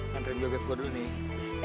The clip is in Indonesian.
nantain beb beb gua dulu nih